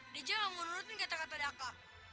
deja gak mau nurutin kata kata daka